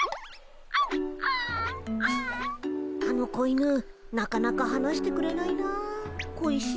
あの子犬なかなかはなしてくれないな小石。